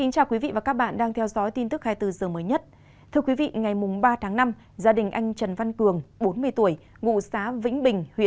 các bạn hãy đăng ký kênh để ủng hộ kênh của chúng mình nhé